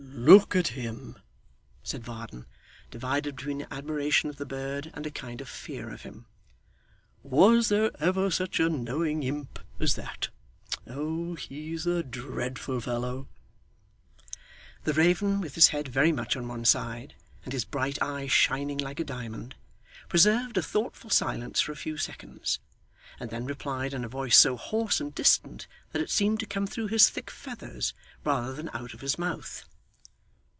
'Look at him!' said Varden, divided between admiration of the bird and a kind of fear of him. 'Was there ever such a knowing imp as that! Oh he's a dreadful fellow!' The raven, with his head very much on one side, and his bright eye shining like a diamond, preserved a thoughtful silence for a few seconds, and then replied in a voice so hoarse and distant, that it seemed to come through his thick feathers rather than out of his mouth.